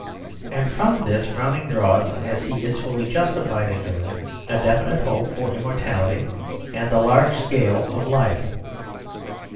And from this Browning draws, as he is fully justified in drawing, a definite hope for immortality and the larger scale of life.